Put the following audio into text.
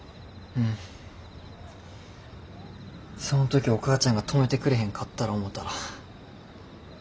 その時お母ちゃんが止めてくれへんかったら思たら。